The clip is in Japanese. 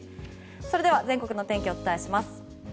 それでは全国の天気をお伝えします。